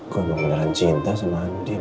gue mau menggunakan cinta sama andien